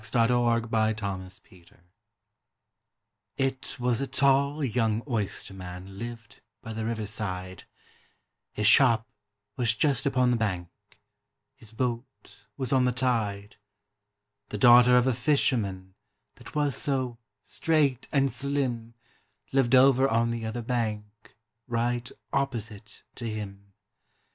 THE BALLAD OF THE OYSTERMAN IT was a tall young oysterman lived by the river side, His shop was just upon the bank, his boat was on the tide; The daughter of a fisherman, that was so straight and slim, Lived over on the other bank, right opposite to him.